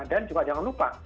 dan juga jangan lupa